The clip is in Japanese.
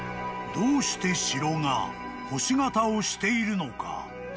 ［どうして城が星形をしているのか］